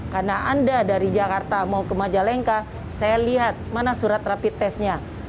karena anda dari jakarta mau ke majalengka saya lihat mana surat rapi tesnya